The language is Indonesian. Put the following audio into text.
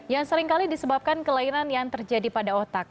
yang seringkali disebabkan kelainan yang terjadi pada otak